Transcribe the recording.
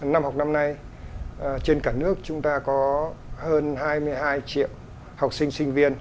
năm học năm nay trên cả nước chúng ta có hơn hai mươi hai triệu học sinh sinh viên